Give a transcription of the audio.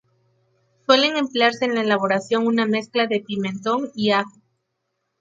Suele emplearse en la elaboración una mezcla de pimentón y ajo.